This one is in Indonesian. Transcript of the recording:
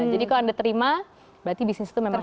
jadi kalau anda terima berarti bisnis sudah selesai